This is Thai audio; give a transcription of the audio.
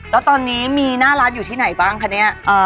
แล้วตอนนี้มีหน้าร้านอยู่ที่ไหนบ้างคะเนี่ย